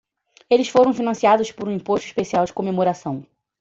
Eles foram financiados por um imposto especial de comemoração.